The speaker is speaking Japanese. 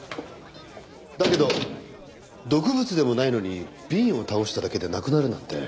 だけど毒物でもないのに瓶を倒しただけで亡くなるなんて。